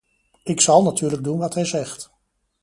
Ik zal natuurlijk doen wat hij zegt.